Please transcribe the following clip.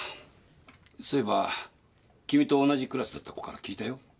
そういえば君と同じクラスだった子から聞いたよ。